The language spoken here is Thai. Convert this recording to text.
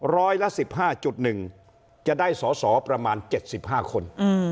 ร้อยละ๑๕๑จะได้สอสอประมาณ๗๕คน